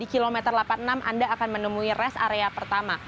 di kilometer delapan puluh enam anda akan menemui rest area pertama